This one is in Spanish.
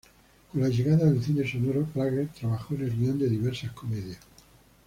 Con la llegada del cine sonoro, Prager trabajó en el guion de diversas comedias.